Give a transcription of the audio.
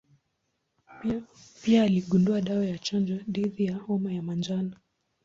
Pia aligundua dawa ya chanjo dhidi ya homa ya manjano.